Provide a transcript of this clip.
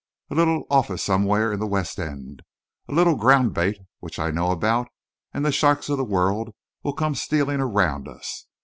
A little office somewhere in the West End, a little ground bait which I know about, and the sharks of the world will come stealing around us.